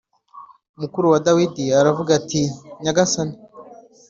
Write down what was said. mukuru wa Dawidi aravuga ati “Nyagasani